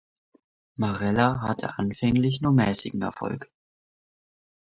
Marella hatte anfänglich nur mäßigen Erfolg.